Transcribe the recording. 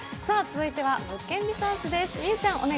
続いては、「物件リサーチ」です。